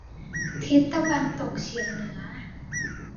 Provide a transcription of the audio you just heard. ทิศตะวันตกเฉียงเหนือ